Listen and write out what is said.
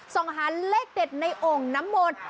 ส่งหาเลขเด็ดในโอ่งน้ำมนต์